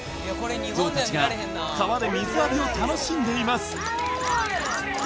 ゾウたちが川で水浴びを楽しんでいます